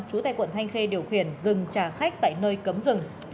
trú tại quận thanh khê điều khiển dừng trả khách tại nơi cấm rừng